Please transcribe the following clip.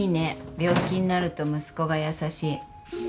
病気になると息子が優しい。